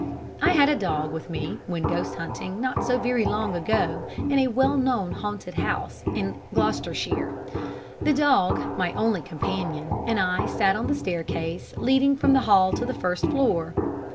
I had a dog with me, when ghost hunting, not so very long ago, in a well known haunted house in Gloucestershire. The dog my only companion and I sat on the staircase leading from the hall to the first floor.